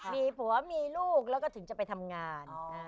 มีผัวมีลูกแล้วก็ถึงจะไปทำงาน